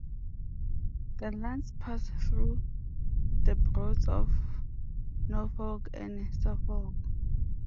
The lines pass through the Broads of Norfolk and Suffolk.